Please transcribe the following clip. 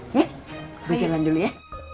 nih gue jalan dulu ye